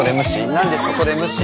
何でそこで無視？